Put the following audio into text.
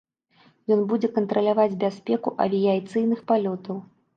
Ён будзе кантраляваць бяспеку авіяцыйных палётаў.